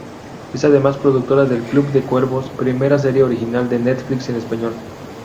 Es además productora de "Club de Cuervos", primera serie original de Netflix en español.